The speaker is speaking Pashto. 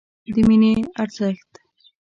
د مینې ارزښت